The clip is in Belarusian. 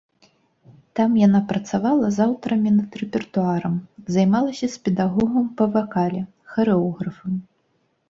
Там яна працавала з аўтарамі над рэпертуарам, займалася з педагогам па вакале, харэографам.